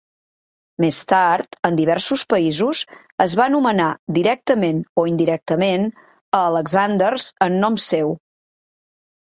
Més tard, en diversos països, es va nomenar directament o indirectament a Alexanders en nom seu.